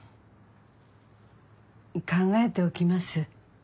考えておきます。